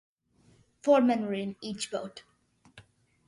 Four men were in each boat.